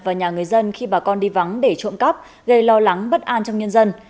và nhà người dân khi bà con đi vắng để trộm cắp gây lo lắng bất an trong nhân dân